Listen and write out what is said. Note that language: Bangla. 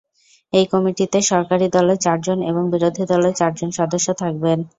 এই কমিটিতে সরকারি দলের চারজন এবং বিরোধী দলের চারজন সদস্য থাকবেন।